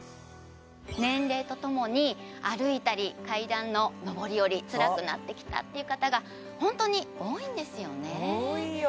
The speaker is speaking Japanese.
年齢とともに歩いたり階段の上り下りつらくなってきたっていう方が本当に多いんですよね多いよ